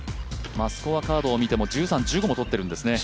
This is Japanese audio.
スコアカードを見ても、１３も１５もとっているんですね。